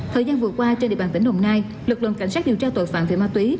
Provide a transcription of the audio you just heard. thời gian vừa qua trên địa bàn tỉnh đồng nai lực lượng cảnh sát điều tra tội phạm về ma túy